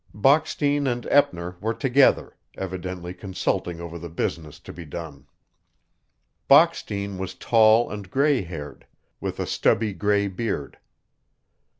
Bockstein and Eppner were together, evidently consulting over the business to be done. Bockstein was tall and gray haired, with a stubby gray beard.